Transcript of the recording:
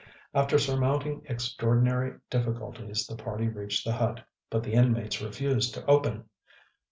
After surmounting extraordinary difficulties, the party reached the hut; but the inmates refused to open!